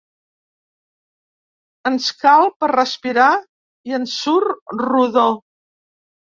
Ens cal per respirar i ens surt rodó.